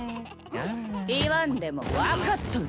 言わんでも分かっとる。